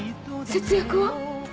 節約は？